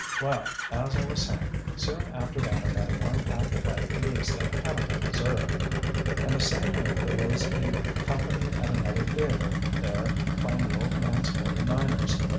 Well, as I was saying, soon after that I got a one act play produced at Hannibal, Missouri. And the same week there was a company at another theatre there playing the old man's 'Forty Niners.